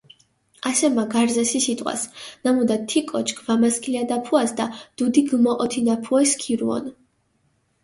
ასე მა გარზე სი სიტყვას, ნამუდა თი კოჩქ ვამასქილიდაფუასჷდა, დუდი გჷმოჸოთინაფუე სქირუონ.